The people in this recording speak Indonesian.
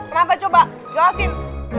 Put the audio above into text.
kenapa coba jelasin